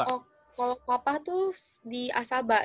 oh kalo papa tuh di aspac